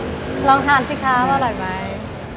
ขออนาฬห่วงเลยครับ